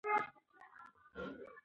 که ورځ وي نو هڅه نه ودریږي.